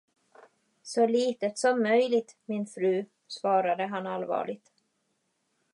Så litet som möjligt, min fru, svarade han allvarligt.